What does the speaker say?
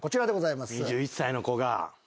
２１歳の子が。